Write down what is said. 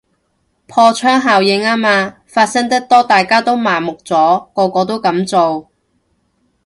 破窗效應吖嘛，發生得多大家都麻木咗，個個都噉做